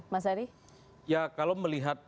mas ari ya kalau melihat